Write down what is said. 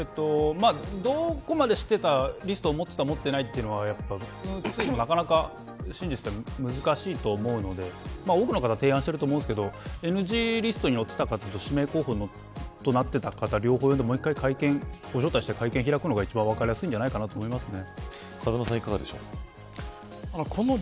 どこまで知っていてリストを持っていた持っていないというのはなかなか真実って難しいと思うので多くの方が提案していると思うんですけどＮＧリストに載っていた指名候補リストになっていたかということも、もう１回会見にご招待して、もう１回答えるのが分かりやすいんじゃないかと思いますね。